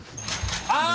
ああ。